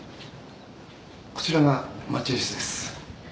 こちらが待合室です。